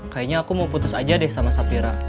kayaknya aku mau putus aja deh sama sapira